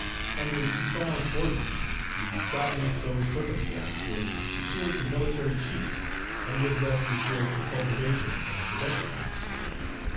Under Toussaint's orders, the property so circumstanced was secured to military chiefs, and was thus restored to cultivation and productiveness.